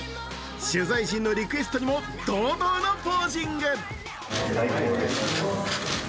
取材陣のリクエストにも堂々のポージング。